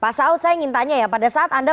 pak saud saya ingin tanya ya pada saat anda